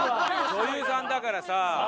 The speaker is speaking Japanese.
女優さんだからさ。